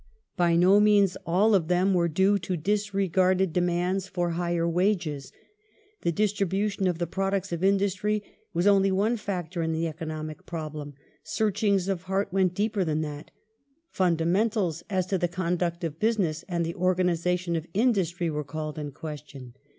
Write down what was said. By no means all of them were due to disregarded demands for higher wages. The distribution of the product of industry was only one factor in the economic problem ; seai chings of heart went deeper than that. " Fundamentals " as to the conduct of business and the organization of industry were called in question.